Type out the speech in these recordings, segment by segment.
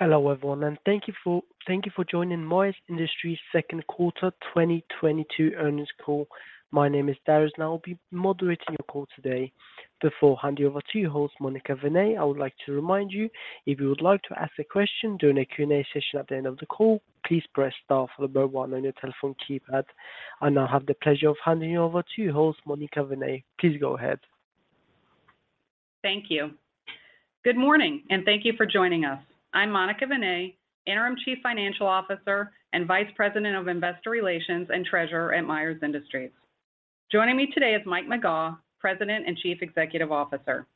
Hello, everyone, and thank you for joining Myers Industries Q2 2022 Earnings Call. My name is Darius, and I'll be moderating your call today. Before handing over to your host, Monica Vinay, I would like to remind you if you would like to ask a question during the Q&A session at the end of the call, please press star one on your mobile and on your telephone keypad. I now have the pleasure of handing over to your host, Monica Vinay. Please go ahead. Thank you. Good morning, and thank you for joining us. I'm Monica Vinay, Interim Chief Financial Officer and Vice President of Investor Relations and Treasurer at Myers Industries. Joining me today is Mike McGaugh, President and Chief Executive Officer.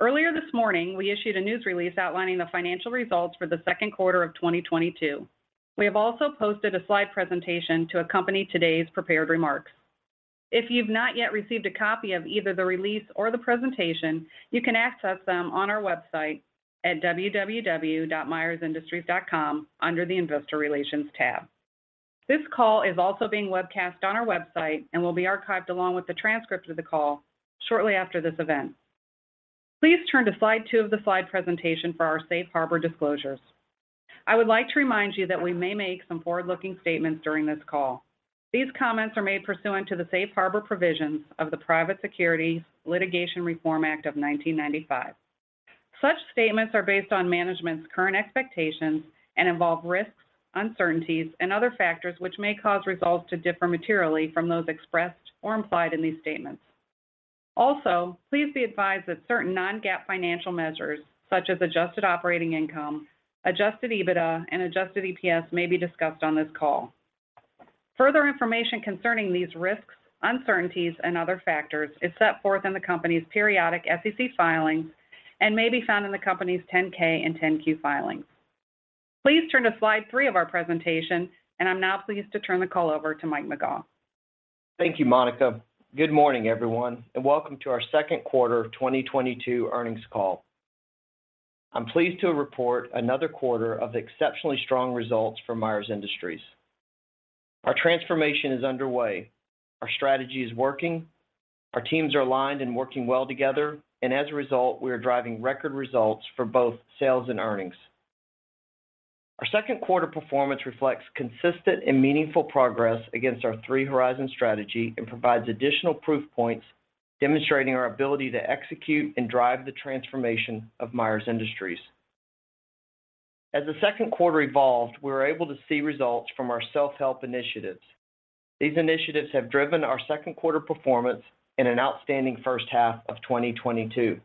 Earlier this morning, we issued a news release outlining the financial results for the Q2 of 2022. We have also posted a slide presentation to accompany today's prepared remarks. If you've not yet received a copy of either the release or the presentation, you can access them on our website at www.myersindustries.com under the Investor Relations tab. This call is also being webcast on our website and will be archived along with the transcript of the call shortly after this event. Please turn to slide two of the slide presentation for our safe harbor disclosures. I would like to remind you that we may make some forward-looking statements during this call. These comments are made pursuant to the safe harbor provisions of the Private Securities Litigation Reform Act of 1995. Such statements are based on management's current expectations and involve risks, uncertainties, and other factors which may cause results to differ materially from those expressed or implied in these statements. Also, please be advised that certain non-GAAP financial measures, such as adjusted operating income, Adjusted EBITDA, and Adjusted EPS, may be discussed on this call. Further information concerning these risks, uncertainties, and other factors is set forth in the company's periodic SEC filings and may be found in the company's 10-K and 10-Q filings. Please turn to slide three of our presentation, and I'm now pleased to turn the call over to Mike McGaugh. Thank you, Monica. Good morning, everyone, and welcome to our Q2 of 2022 earnings call. I'm pleased to report another quarter of exceptionally strong results from Myers Industries. Our transformation is underway. Our strategy is working. Our teams are aligned and working well together. As a result, we are driving record results for both sales and earnings. Our Q2 performance reflects consistent and meaningful progress against our Three Horizon strategy and provides additional proof points demonstrating our ability to execute and drive the transformation of Myers Industries. As the Q2 evolved, we were able to see results from our self-help initiatives. These initiatives have driven our Q2 performance in an outstanding H1 of 2022.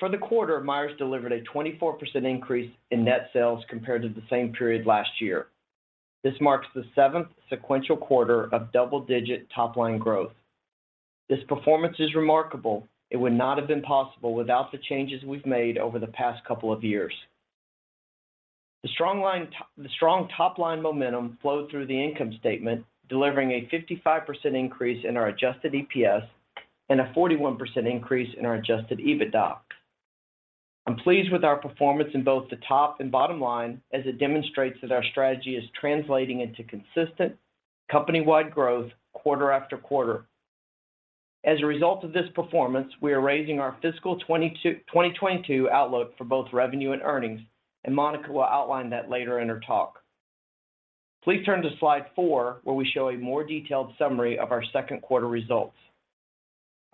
For the quarter, Myers delivered a 24% increase in net sales compared to the same period last year. This marks the seventh sequential quarter of double-digit top-line growth. This performance is remarkable. It would not have been possible without the changes we've made over the past couple of years. The strong top-line momentum flowed through the income statement, delivering a 55% increase in our Adjusted EPS and a 41% increase in our Adjusted EBITDA. I'm pleased with our performance in both the top and bottom line as it demonstrates that our strategy is translating into consistent company-wide growth quarter-after-quarter. As a result of this performance, we are raising our fiscal 2022 outlook for both revenue and earnings, and Monica will outline that later in her talk. Please turn to slide four, where we show a more detailed summary of our Q2 results.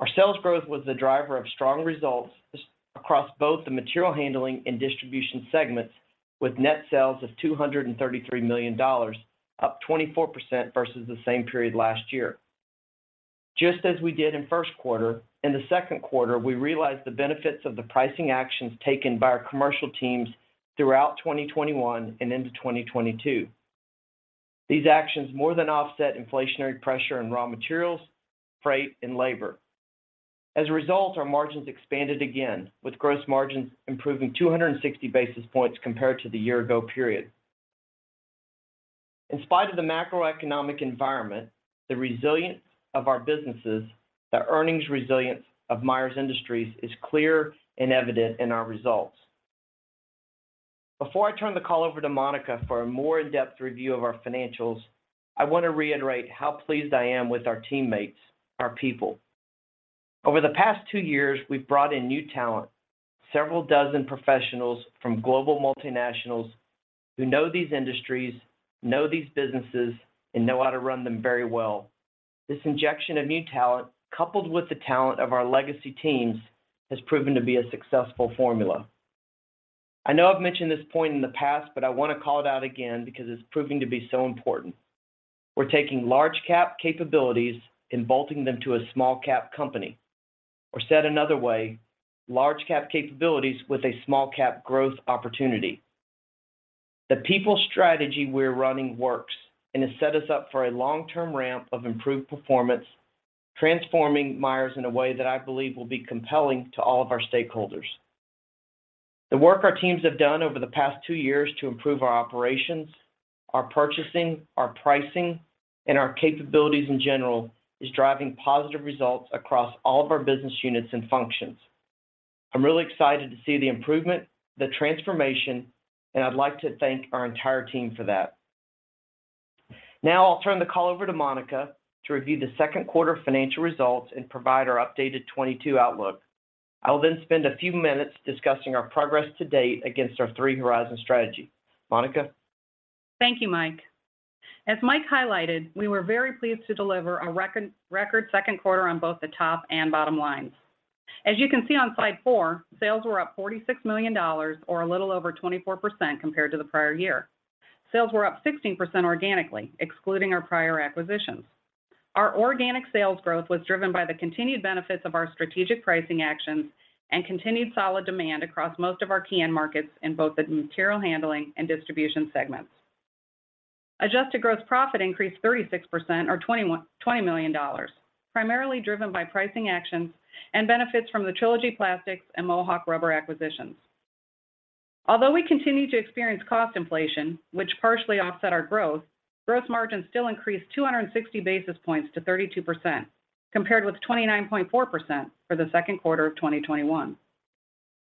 Our sales growth was the driver of strong results across both the material handling and distribution segments with net sales of $233 million, up 24% versus the same period last year. Just as we did in Q1, in the Q2, we realized the benefits of the pricing actions taken by our commercial teams throughout 2021 and into 2022. These actions more than offset inflationary pressure in raw materials, freight, and labor. As a result, our margins expanded again, with gross margins improving 260 basis points compared to the year ago period. In spite of the macroeconomic environment, the resilience of our businesses, the earnings resilience of Myers Industries is clear and evident in our results. Before I turn the call over Monica for a more in-depth review of our financials, I want to reiterate how pleased I am with our teammates, our people. Over the past two years, we've brought in new talent, several dozen professionals from global multinationals who know these industries, know these businesses, and know how to run them very well. This injection of new talent, coupled with the talent of our legacy teams, has proven to be a successful formula. I know I've mentioned this point in the past, but I want to call it out again because it's proving to be so important. We're taking large cap capabilities and bolting them to a small cap company. Said another way, large cap capabilities with a small cap growth opportunity. The people strategy we're running works and has set us up for a long-term ramp of improved performance, transforming Myers in a way that I believe will be compelling to all of our stakeholders. The work our teams have done over the past two years to improve our operations, our purchasing, our pricing, and our capabilities in general, is driving positive results across all of our business units and functions. I'm really excited to see the improvement, the transformation, and I'd like to thank our entire team for that. Now I'll turn the call over Monica to review the Q2 financial results and provide our updated 2022 outlook. I will then spend a few minutes discussing our progress to date against our Three Horizon strategy. Monica? Thank you, Mike. As Mike highlighted, we were very pleased to deliver a record Q2 on both the top and bottom lines. As you can see on slide four, sales were up $46 million or a little over 24% compared to the prior year. Sales were up 16% organically, excluding our prior acquisitions. Our organic sales growth was driven by the continued benefits of our strategic pricing actions and continued solid demand across most of our key end markets in both the material handling and distribution segments. Adjusted gross profit increased 36% or $20 million, primarily driven by pricing actions and benefits from the Trilogy Plastics and Mohawk Rubber acquisitions. Although we continue to experience cost inflation, which partially offset our growth, gross margins still increased 260 basis points to 32%, compared with 29.4% for the Q2 of 2021.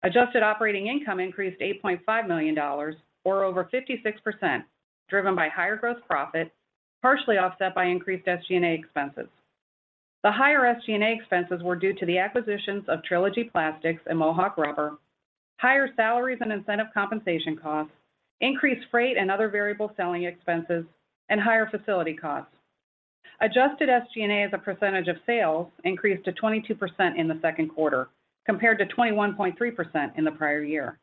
Adjusted operating income increased $8.5 million or over 56%, driven by higher gross profit, partially offset by increased SG&A expenses. The higher SG&A expenses were due to the acquisitions of Trilogy Plastics and Mohawk Rubber, higher salaries and incentive compensation costs, increased freight and other variable selling expenses, and higher facility costs. Adjusted SG&A as a percentage of sales increased to 22% in the Q2, compared to 21.3% in the prior year,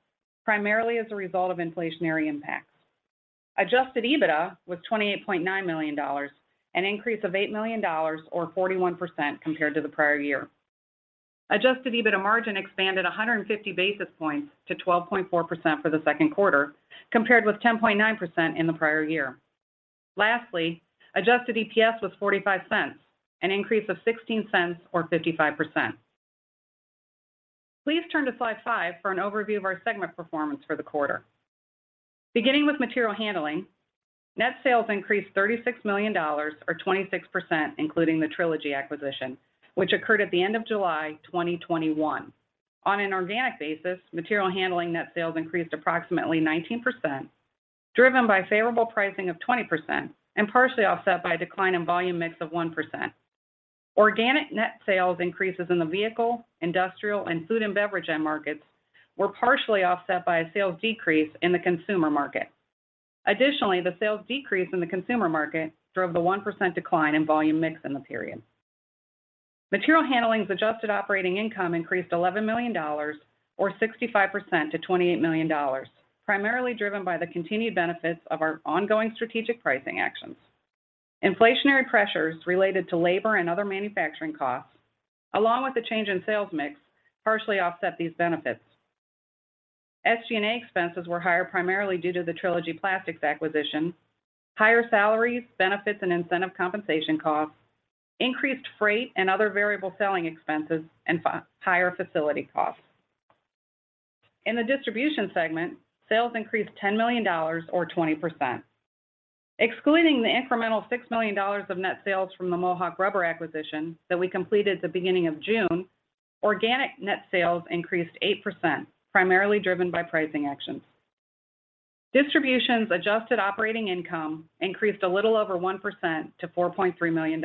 primarily as a result of inflationary impacts. Adjusted EBITDA was $28.9 million, an increase of $8 million or 41% compared to the prior year. Adjusted EBITDA margin expanded 150 basis points to 12.4% for the Q2, compared with 10.9% in the prior year. Lastly, Adjusted EPS was $0.45, an increase of $0.16 or 55%. Please turn to slide five for an overview of our segment performance for the quarter. Beginning with material handling, net sales increased $36 million or 26%, including the Trilogy Plastics acquisition, which occurred at the end of July 2021. On an organic basis, material handling net sales increased approximately 19%, driven by favorable pricing of 20% and partially offset by a decline in volume mix of 1%. Organic net sales increases in the vehicle, industrial, and food and beverage end markets were partially offset by a sales decrease in the consumer market. Additionally, the sales decrease in the consumer market drove the 1% decline in volume mix in the period. Material handling's adjusted operating income increased $11 million or 65% to $28 million, primarily driven by the continued benefits of our ongoing strategic pricing actions. Inflationary pressures related to labor and other manufacturing costs, along with the change in sales mix, partially offset these benefits. SG&A expenses were higher primarily due to the Trilogy Plastics acquisition, higher salaries, benefits, and incentive compensation costs, increased freight and other variable selling expenses, and higher facility costs. In the distribution segment, sales increased $10 million or 20%. Excluding the incremental $6 million of net sales from the Mohawk Rubber acquisition that we completed at the beginning of June, organic net sales increased 8%, primarily driven by pricing actions. Distribution's adjusted operating income increased a little over 1% to $4.3 million.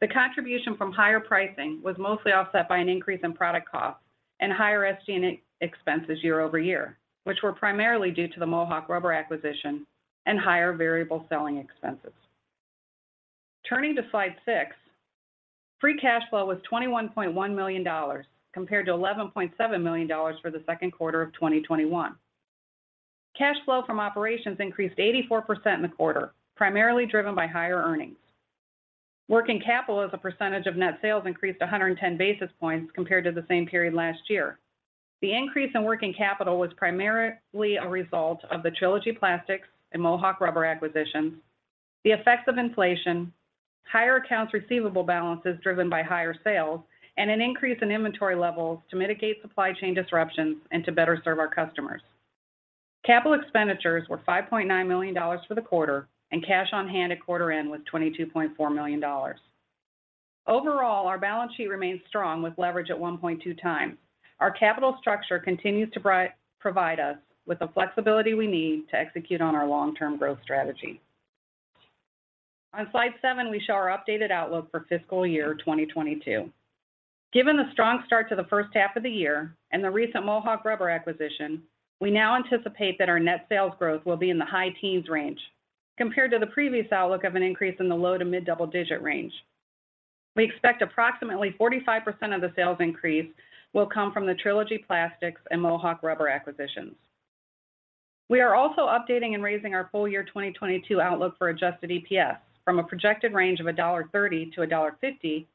The contribution from higher pricing was mostly offset by an increase in product costs and higher SG&A expenses year-over-year, which were primarily due to the Mohawk Rubber acquisition and higher variable selling expenses. Turning to slide six, free cash flow was $21.1 million compared to $11.7 million for the Q2 of 2021. Cash flow from operations increased 84% in the quarter, primarily driven by higher earnings. Working capital as a percentage of net sales increased 110 basis points compared to the same period last year. The increase in working capital was primarily a result of the Trilogy Plastics and Mohawk Rubber acquisitions, the effects of inflation, higher accounts receivable balances driven by higher sales, and an increase in inventory levels to mitigate supply chain disruptions and to better serve our customers. Capital expenditures were $5.9 million for the quarter, and cash on hand at quarter end was $22.4 million. Overall, our balance sheet remains strong with leverage at 1.2x. Our capital structure continues to provide us with the flexibility we need to execute on our long-term growth strategy. On slide seven, we show our updated outlook for fiscal year 2022. Given the strong start to the H1 of the year and the recent Mohawk Rubber acquisition, we now anticipate that our net sales growth will be in the high teens range compared to the previous outlook of an increase in the low- to mid-double-digit range. We expect approximately 45% of the sales increase will come from the Trilogy Plastics and Mohawk Rubber acquisitions. We are also updating and raising our full year 2022 outlook for Adjusted EPS from a projected range of $1.30-$1.50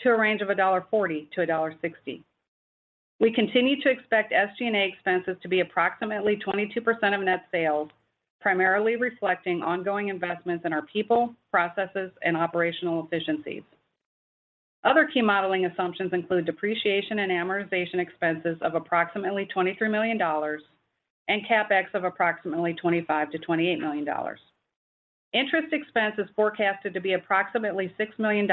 to a range of $1.40-$1.60. We continue to expect SG&A expenses to be approximately 22% of net sales, primarily reflecting ongoing investments in our people, processes, and operational efficiencies. Other key modeling assumptions include depreciation and amortization expenses of approximately $23 million and CapEx of approximately $25 million-$28 million. Interest expense is forecasted to be approximately $6 million,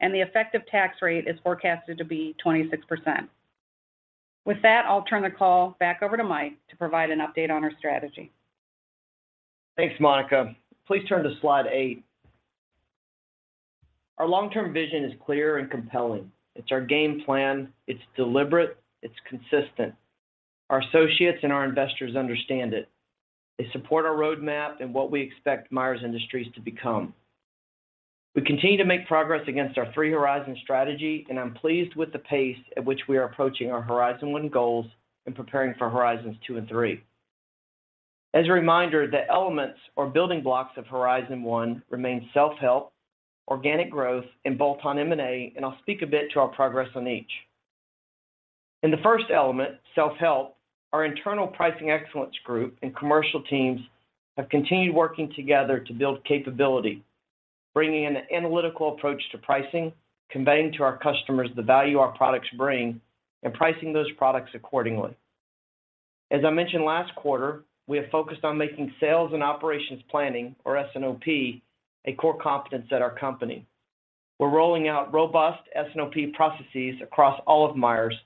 and the effective tax rate is forecasted to be 26%. With that, I'll turn the call back over to Mike to provide an update on our strategy. Thanks, Monica. Please turn to slide eight. Our long-term vision is clear and compelling. It's our game plan. It's deliberate. It's consistent. Our associates and our investors understand it. They support our roadmap and what we expect Myers Industries to become. We continue to make progress against our Three Horizon strategy, and I'm pleased with the pace at which we are approaching our Horizon One goals and preparing for Horizons Two and Three. As a reminder, the elements or building blocks of Horizon One remain self-help, organic growth, and bolt-on M&A, and I'll speak a bit to our progress on each. In the first element, self-help, our internal pricing excellence group and commercial teams have continued working together to build capability, bringing an analytical approach to pricing, conveying to our customers the value our products bring, and pricing those products accordingly. As I mentioned last quarter, we have focused on making sales and operations planning, or S&OP, a core competence at our company. We're rolling out robust S&OP processes across all of Myers,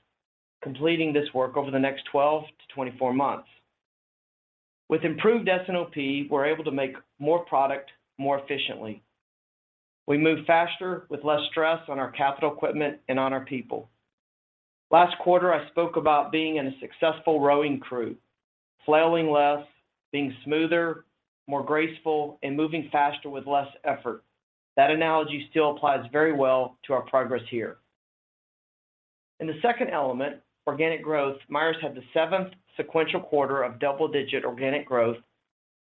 completing this work over the next 12-24 months. With improved S&OP, we're able to make more product more efficiently. We move faster with less stress on our capital equipment and on our people. Last quarter, I spoke about being in a successful rowing crew, flailing less, being smoother, more graceful, and moving faster with less effort. That analogy still applies very well to our progress here. In the second element, organic growth, Myers had the seventh sequential quarter of double-digit organic growth,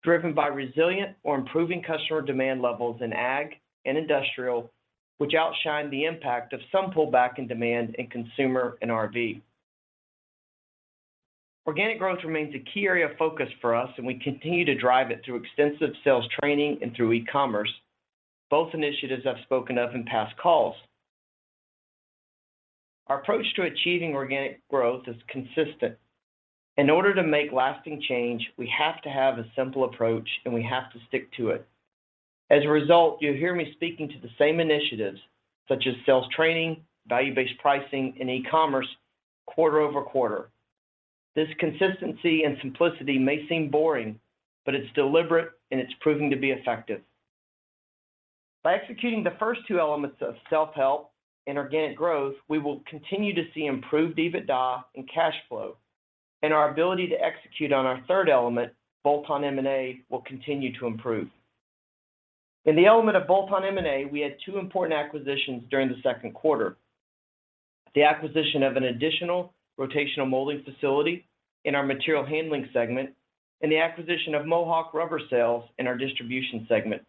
driven by resilient or improving customer demand levels in ag and industrial, which outshined the impact of some pullback in demand in consumer and RV. Organic growth remains a key area of focus for us, and we continue to drive it through extensive sales training and through e-commerce, both initiatives I've spoken of in past calls. Our approach to achieving organic growth is consistent. In order to make lasting change, we have to have a simple approach, and we have to stick to it. As a result, you'll hear me speaking to the same initiatives, such as sales training, value-based pricing, and e-commerce, quarter-over-quarter. This consistency and simplicity may seem boring, but it's deliberate, and it's proving to be effective. By executing the first two elements of self-help and organic growth, we will continue to see improved EBITDA and cash flow, and our ability to execute on our third element, bolt-on M&A, will continue to improve. In the element of bolt-on M&A, we had two important acquisitions during the Q2. The acquisition of an additional rotational molding facility in our material handling segment, and the acquisition of Mohawk Rubber Sales in our distribution segment.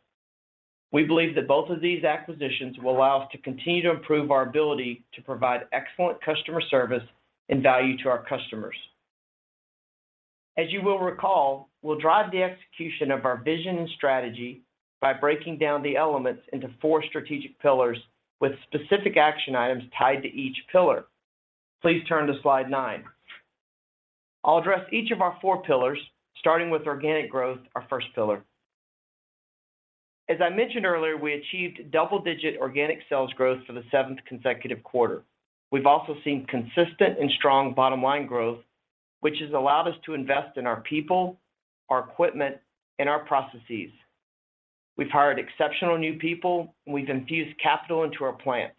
We believe that both of these acquisitions will allow us to continue to improve our ability to provide excellent customer service and value to our customers. As you will recall, we'll drive the execution of our vision and strategy by breaking down the elements into four strategic pillars with specific action items tied to each pillar. Please turn to slide nine. I'll address each of our four pillars, starting with organic growth, our first pillar. As I mentioned earlier, we achieved double-digit organic sales growth for the seventh consecutive quarter. We've also seen consistent and strong bottom-line growth, which has allowed us to invest in our people, our equipment, and our processes. We've hired exceptional new people, and we've infused capital into our plants.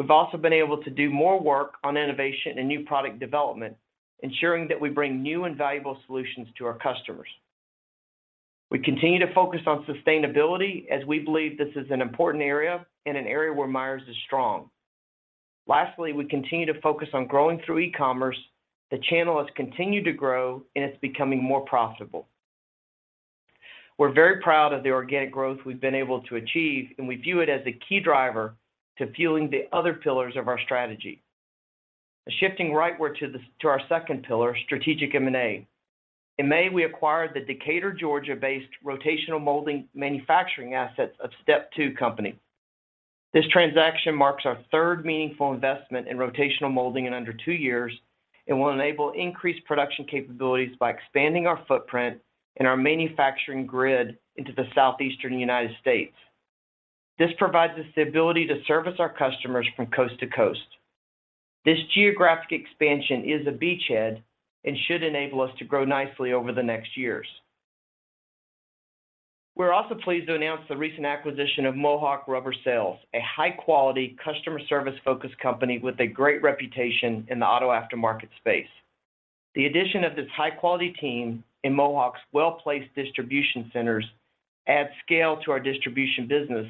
We've also been able to do more work on innovation and new product development, ensuring that we bring new and valuable solutions to our customers. We continue to focus on sustainability, as we believe this is an important area and an area where Myers is strong. Lastly, we continue to focus on growing through e-commerce. The channel has continued to grow, and it's becoming more profitable. We're very proud of the organic growth we've been able to achieve, and we view it as the key driver to fueling the other pillars of our strategy. Shifting rightward to our second pillar, strategic M&A. In May, we acquired the Decatur, Georgia-based rotational molding manufacturing assets of The Step2 Company. This transaction marks our third meaningful investment in rotational molding in under two years and will enable increased production capabilities by expanding our footprint and our manufacturing grid into the southeastern United States. This provides us the ability to service our customers from coast to coast. This geographic expansion is a beachhead and should enable us to grow nicely over the next years. We're also pleased to announce the recent acquisition of Mohawk Rubber Sales, a high-quality, customer service-focused company with a great reputation in the auto aftermarket space. The addition of this high-quality team and Mohawk's well-placed distribution centers add scale to our distribution business,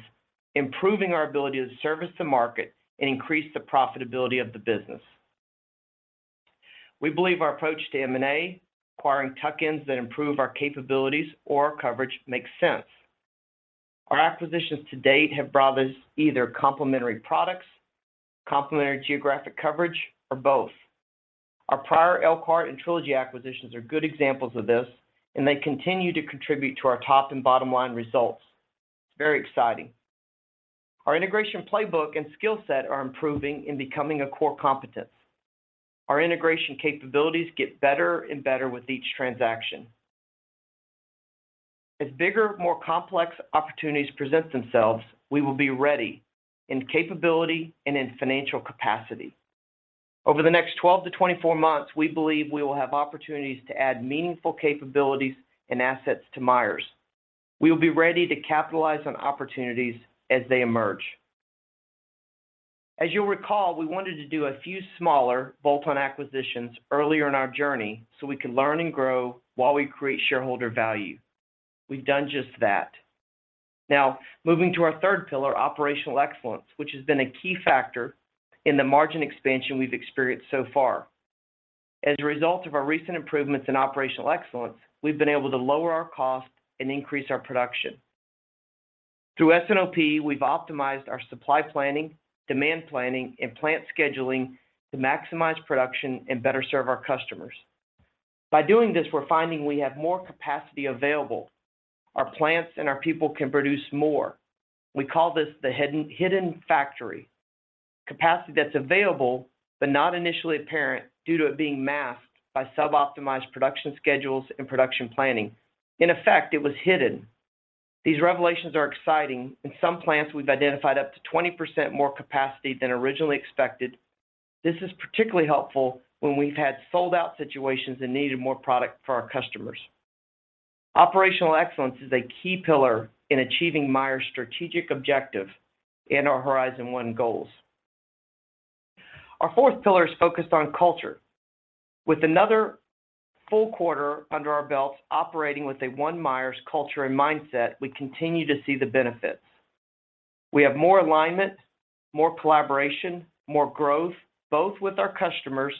improving our ability to service the market and increase the profitability of the business. We believe our approach to M&A, acquiring tuck-ins that improve our capabilities or coverage, makes sense. Our acquisitions to date have brought us either complementary products, complementary geographic coverage, or both. Our prior Elkhart and Trilogy acquisitions are good examples of this, and they continue to contribute to our top and bottom-line results. It's very exciting. Our integration playbook and skill set are improving and becoming a core competence. Our integration capabilities get better and better with each transaction. As bigger, more complex opportunities present themselves, we will be ready in capability and in financial capacity. Over the next 12-24 months, we believe we will have opportunities to add meaningful capabilities and assets to Myers. We will be ready to capitalize on opportunities as they emerge. As you'll recall, we wanted to do a few smaller bolt-on acquisitions earlier in our journey so we could learn and grow while we create shareholder value. We've done just that. Now, moving to our third pillar, operational excellence, which has been a key factor in the margin expansion we've experienced so far. As a result of our recent improvements in operational excellence, we've been able to lower our cost and increase our production. Through S&OP, we've optimized our supply planning, demand planning, and plant scheduling to maximize production and better serve our customers. By doing this, we're finding we have more capacity available. Our plants and our people can produce more. We call this the hidden factory. Capacity that's available but not initially apparent due to it being masked by sub-optimized production schedules and production planning. In effect, it was hidden. These revelations are exciting. In some plants, we've identified up to 20% more capacity than originally expected. This is particularly helpful when we've had sold-out situations and needed more product for our customers. Operational excellence is a key pillar in achieving Myers' strategic objective and our Horizon One goals. Our fourth pillar is focused on culture. With another full quarter under our belt operating with a One Myers culture and mindset, we continue to see the benefits. We have more alignment, more collaboration, more growth, both with our customers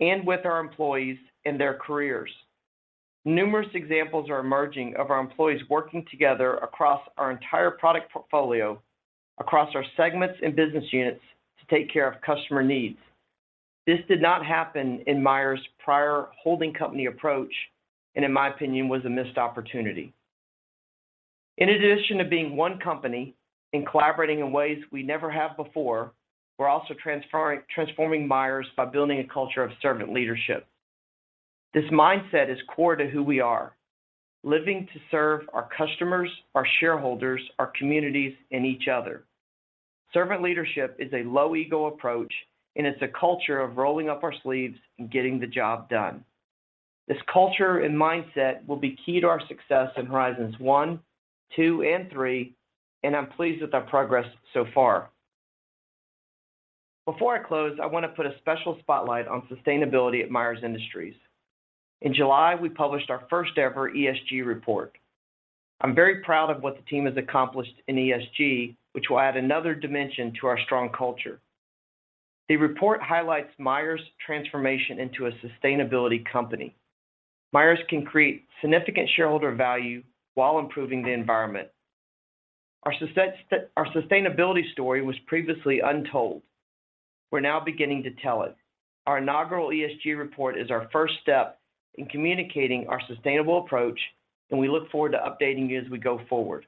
and with our employees in their careers. Numerous examples are emerging of our employees working together across our entire product portfolio, across our segments and business units to take care of customer needs. This did not happen in Myers' prior holding company approach, and in my opinion, was a missed opportunity. In addition to being one company and collaborating in ways we never have before, we're also transforming Myers by building a culture of servant leadership. This mindset is core to who we are, living to serve our customers, our shareholders, our communities, and each other. Servant leadership is a low-ego approach, and it's a culture of rolling up our sleeves and getting the job done. This culture and mindset will be key to our success in Horizons One, Two, and Three, and I'm pleased with our progress so far. Before I close, I want to put a special spotlight on sustainability at Myers Industries. In July, we published our first-ever ESG report. I'm very proud of what the team has accomplished in ESG, which will add another dimension to our strong culture. The report highlights Myers' transformation into a sustainability company. Myers can create significant shareholder value while improving the environment. Our sustainability story was previously untold. We're now beginning to tell it. Our inaugural ESG report is our first step in communicating our sustainable approach, and we look forward to updating you as we go forward.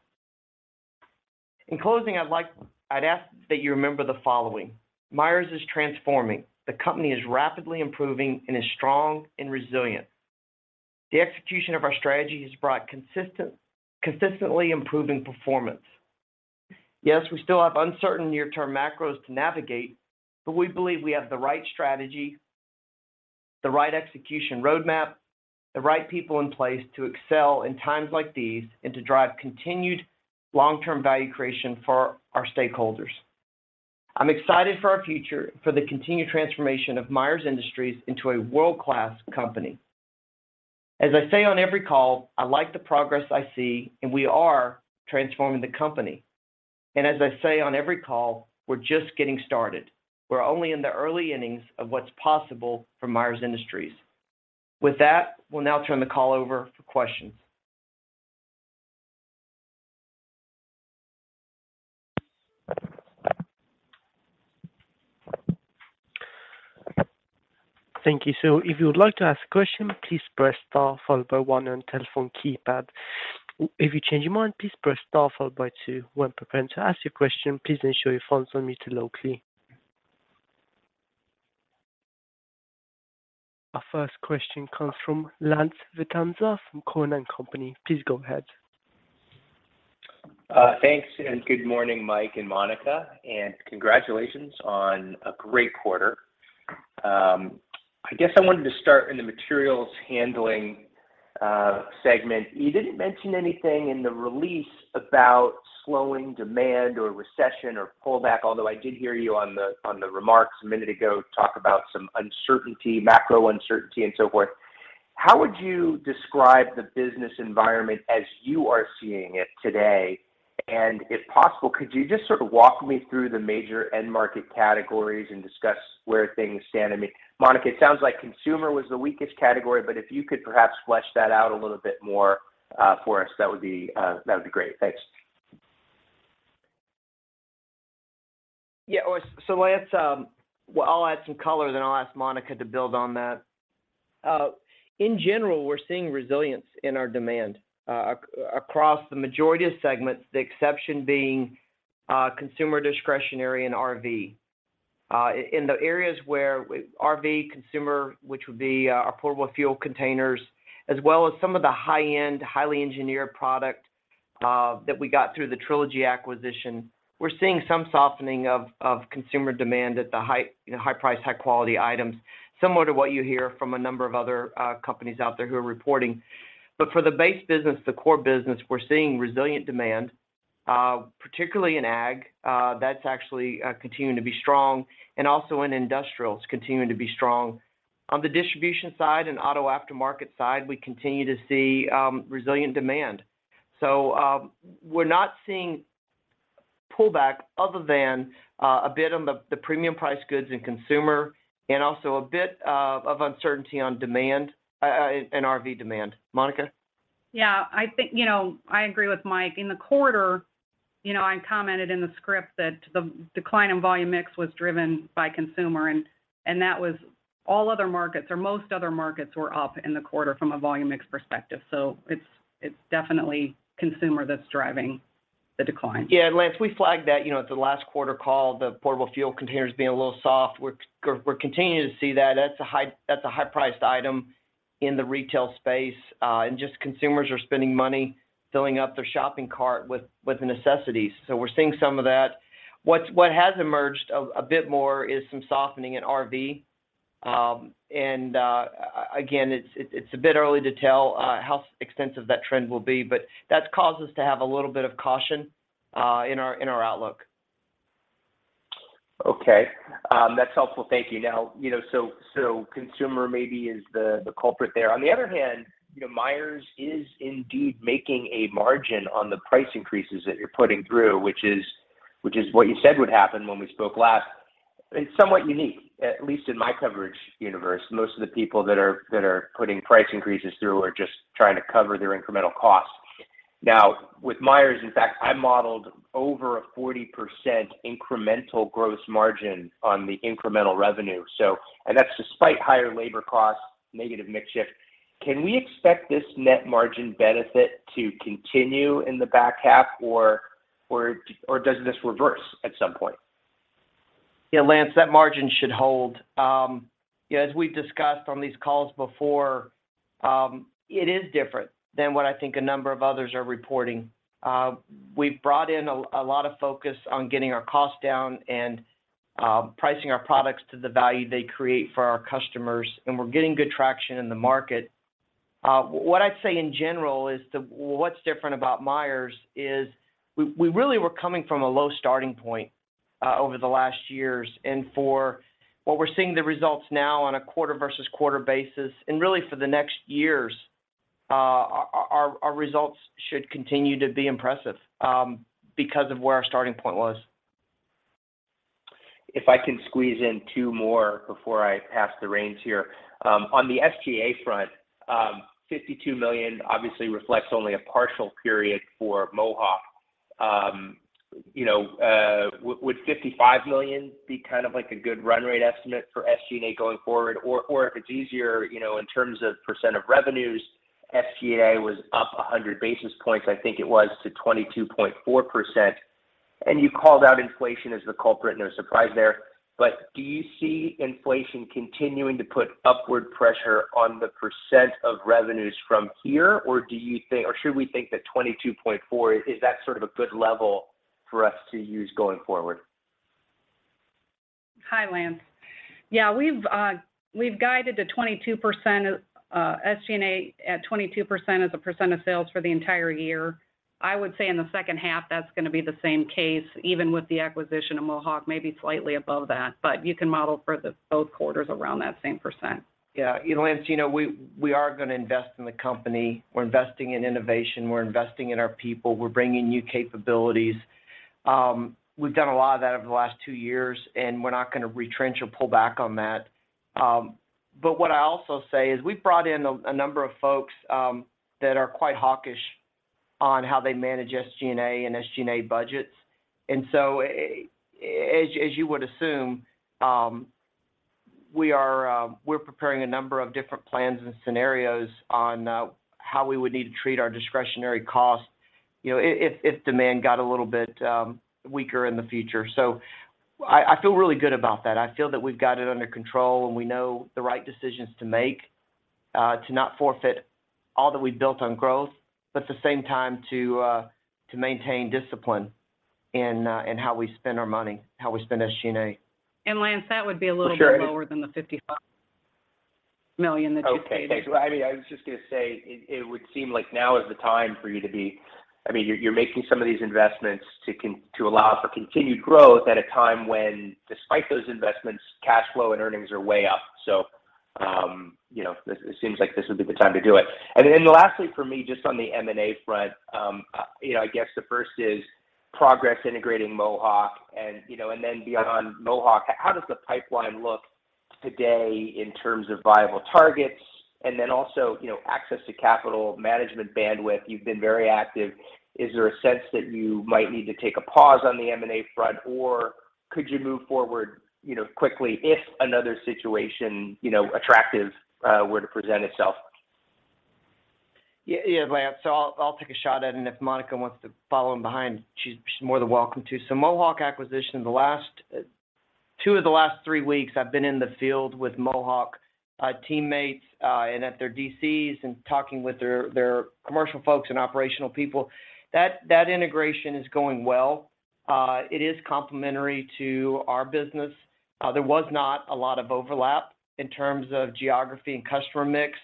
In closing, I'd ask that you remember the following. Myers is transforming. The company is rapidly improving and is strong and resilient. The execution of our strategy has brought consistently improving performance. Yes, we still have uncertain near-term macros to navigate, but we believe we have the right strategy, the right execution roadmap, the right people in place to excel in times like these and to drive continued long-term value creation for our stakeholders. I'm excited for our future, for the continued transformation of Myers Industries into a world-class company. As I say on every call, I like the progress I see, and we are transforming the company. As I say on every call, we're just getting started. We're only in the early innings of what's possible for Myers Industries. With that, we'll now turn the call over for questions. Thank you. If you would like to ask a question, please press star followed by one on telephone keypad. If you change your mind, please press star followed by two. When preparing to ask your question, please ensure your phone's unmuted locally. Our first question comes from Lance Vitanza from Cowen and Company. Please go ahead. Thanks, and good morning, Mike and Monica, and congratulations on a great quarter. I guess I wanted to start in the materials handling segment. You didn't mention anything in the release about slowing demand or recession or pullback, although I did hear you on the remarks a minute ago talk about some uncertainty, macro uncertainty, and so forth. How would you describe the business environment as you are seeing it today? If possible, could you just sort of walk me through the major end market categories and discuss where things stand? I mean, Monica, it sounds like consumer was the weakest category, but if you could perhaps flesh that out a little bit more, for us, that would be great. Thanks. Yeah. Lance, I'll add some color, then I'll ask Monica to build on that. In general, we're seeing resilience in our demand across the majority of segments, the exception being consumer discretionary and RV. In the areas where RV, consumer, which would be our portable fuel containers, as well as some of the high-end, highly engineered product that we got through the Trilogy acquisition, we're seeing some softening of consumer demand at the high, you know, high price, high quality items, similar to what you hear from a number of other companies out there who are reporting. For the base business, the core business, we're seeing resilient demand, particularly in ag, that's actually continuing to be strong, and also in industrial, it's continuing to be strong. On the distribution side and auto aftermarket side, we continue to see resilient demand. We're not seeing pullback other than a bit on the premium price goods in consumer and also a bit of uncertainty on demand in RV demand. Monica? Yeah. I think, you know, I agree with Mike. In the quarter, you know, I commented in the script that the decline in volume mix was driven by consumer and that was all other markets or most other markets were up in the quarter from a volume mix perspective. It's definitely consumer that's driving the decline. Yeah. Lance, we flagged that, you know, at the last quarter call, the portable fuel containers being a little soft. We're continuing to see that. That's a high priced item in the retail space. Just consumers are spending money filling up their shopping cart with the necessities. We're seeing some of that. What has emerged a bit more is some softening in RV. Again, it's a bit early to tell how extensive that trend will be, but that's caused us to have a little bit of caution in our outlook. Okay. That's helpful. Thank you. Now, you know, so consumer maybe is the culprit there. On the other hand, you know, Myers is indeed making a margin on the price increases that you're putting through, which is what you said would happen when we spoke last. It's somewhat unique, at least in my coverage universe. Most of the people that are putting price increases through are just trying to cover their incremental costs. Now, with Myers, in fact, I modeled over a 40% incremental gross margin on the incremental revenue. That's despite higher labor costs, negative mix shift. Can we expect this net margin benefit to continue in the back half or does this reverse at some point? Yeah, Lance, that margin should hold. You know, as we've discussed on these calls before, it is different than what I think a number of others are reporting. We've brought in a lot of focus on getting our costs down and pricing our products to the value they create for our customers, and we're getting good traction in the market. What I'd say in general is what's different about Myers is we really were coming from a low starting point over the last years. For what we're seeing the results now on a quarter versus quarter basis, and really for the next years, our results should continue to be impressive because of where our starting point was. If I can squeeze in two more before I pass the reins here. On the SG&A front, $52 million obviously reflects only a partial period for Mohawk. You know, would $55 million be kind of like a good run rate estimate for SG&A going forward? Or if it's easier, you know, in terms of percent of revenues, SG&A was up 100 basis points, I think it was to 22.4%. You called out inflation as the culprit, no surprise there. Do you see inflation continuing to put upward pressure on the percent of revenues from here, or do you think or should we think that 22.4, is that sort of a good level for us to use going forward? Hi, Lance. Yeah. We've guided the 22% of SG&A at 22% as a percent of sales for the entire year. I would say in the H2, that's gonna be the same case, even with the acquisition of Mohawk, maybe slightly above that. You can model for both quarters around that same percent. Yeah. You know, Lance, we are gonna invest in the company. We're investing in innovation. We're investing in our people. We're bringing new capabilities. We've done a lot of that over the last two years, and we're not gonna retrench or pull back on that. But what I also say is we've brought in a number of folks that are quite hawkish on how they manage SG&A and SG&A budgets. As you would assume, we are preparing a number of different plans and scenarios on how we would need to treat our discretionary costs, you know, if demand got a little bit weaker in the future. I feel really good about that. I feel that we've got it under control, and we know the right decisions to make, to not forfeit all that we've built on growth, but at the same time to maintain discipline in how we spend our money, how we spend SG&A. Lance, that would be a little bit lower than the $55 million that you stated. Okay. I mean, I was just gonna say it. It would seem like now is the time for you. I mean, you're making some of these investments to allow for continued growth at a time when despite those investments, cash flow and earnings are way up. You know, it seems like this would be the time to do it. Then lastly for me, just on the M&A front, you know, I guess the first is progress integrating Mohawk and, you know, and then beyond Mohawk, how does the pipeline look today in terms of viable targets? Then also, you know, access to capital, management bandwidth. You've been very active. Is there a sense that you might need to take a pause on the M&A front, or could you move forward, you know, quickly if another situation, you know, attractive, were to present itself? Yeah, yeah, Lance. I'll take a shot at it, and if Monica wants to follow in behind, she's more than welcome to. Mohawk acquisition, the last two of the last three weeks, I've been in the field with Mohawk teammates and at their DCs and talking with their commercial folks and operational people. That integration is going well. It is complementary to our business. There was not a lot of overlap in terms of geography and customer mix.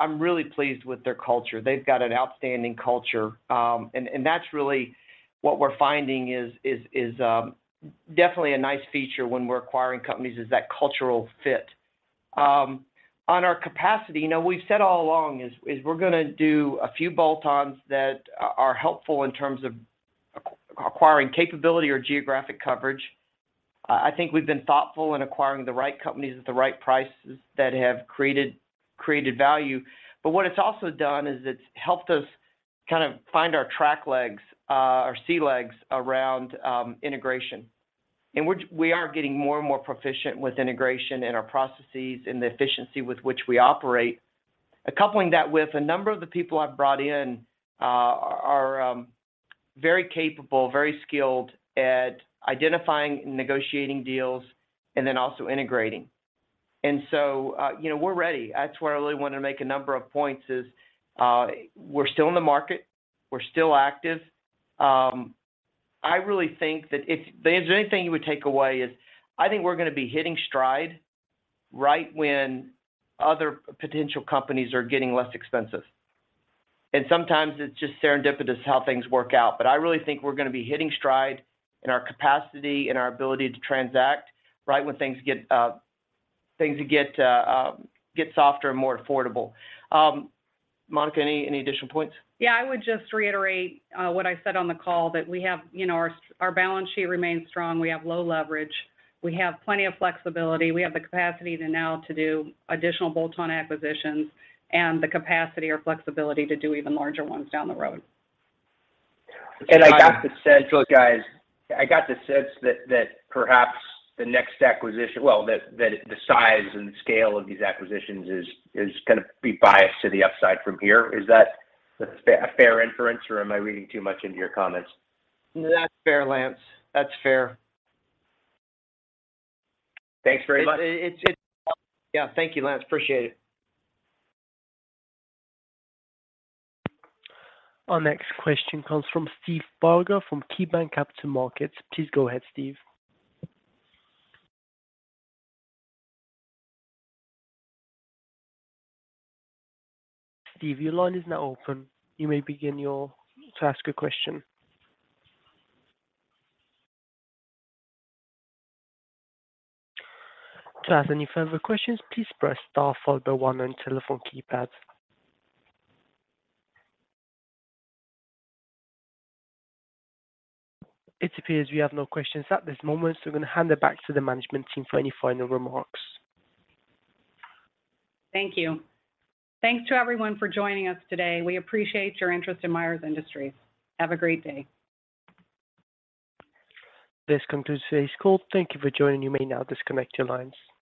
I'm really pleased with their culture. They've got an outstanding culture. That's really what we're finding is definitely a nice feature when we're acquiring companies is that cultural fit. On our capacity, you know, we've said all along is we're gonna do a few bolt-ons that are helpful in terms of acquiring capability or geographic coverage. I think we've been thoughtful in acquiring the right companies at the right prices that have created value. What it's also done is it's helped us kind of find our sea legs around integration. We are getting more and more proficient with integration in our processes and the efficiency with which we operate. Coupling that with a number of the people I've brought in are very capable, very skilled at identifying and negotiating deals and then also integrating. You know, we're ready. That's where I really wanted to make a number of points is we're still in the market. We're still active. I really think that if there's anything you would take away is I think we're gonna be hitting stride right when other potential companies are getting less expensive. Sometimes it's just serendipitous how things work out. I really think we're gonna be hitting stride in our capacity and our ability to transact right when things get softer and more affordable. Monica Vinay, any additional points? Yeah. I would just reiterate what I said on the call that we have, you know, our balance sheet remains strong. We have low leverage. We have plenty of flexibility. We have the capacity now to do additional bolt-on acquisitions and the capacity or flexibility to do even larger ones down the road. I got the sense. Look, guys, I got the sense that the size and scale of these acquisitions is gonna be biased to the upside from here. Is that a fair inference, or am I reading too much into your comments? That's fair, Lance. That's fair. Thanks very much. Yeah. Thank you, Lance. Appreciate it. Our next question comes from Steve Barger from KeyBanc Capital Markets. Please go ahead, Steve. Steve, your line is now open. You may begin to ask a question. To ask any further questions, please press star followed by one on telephone keypad. It appears we have no questions at this moment, so I'm gonna hand it back to the management team for any final remarks. Thank you. Thanks to everyone for joining us today. We appreciate your interest in Myers Industries. Have a great day. This concludes today's call. Thank you for joining. You may now disconnect your lines.